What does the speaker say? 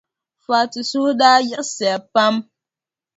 Fati suhu daa yiɣisiya pam.